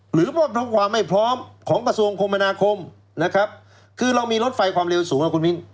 หรือรวมทั้งความไม่พร้อมของกระทรวงคมนาคมนะครับคือเรามีรถไฟความเร็วสูงนะคุณมิ้น